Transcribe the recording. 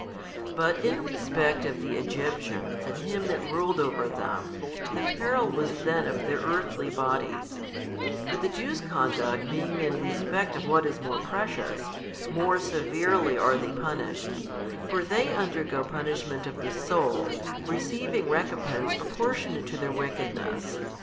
But in respect of the Egyptians and him that ruled over them, the peril was then of their earthly bodies, but the Jews' conduct being in respect of what is more precious, more severely are they punished; for they undergo punishment of the soul, receiving recompence proportionate to their wickednesses.